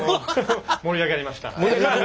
盛り上がりました。